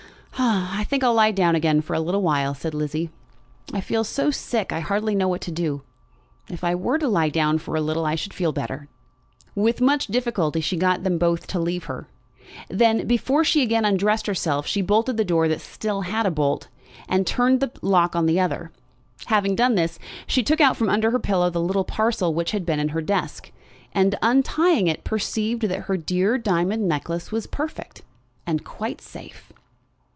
"I think I'll lie down again for a little while," said Lizzie. "I feel so sick I hardly know what to do. If I were to lie down for a little I should be better." With much difficulty she got them to leave her. Then, before she again undressed herself, she bolted the door that still had a bolt, and turned the lock in the other. Having done this, she took out from under her pillow the little parcel which had been in her desk, and, untying it, perceived that her dear diamond necklace was perfect, and quite safe.